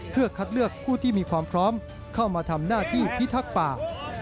เพื่อคัดเลือกผู้ที่มีความพร้อมเข้ามาทำหน้าที่พิทักษ์ป่า